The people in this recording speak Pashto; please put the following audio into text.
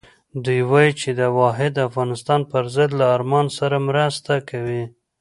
دوی وایي چې د واحد افغانستان پر ضد له ارمان سره مرسته کوي.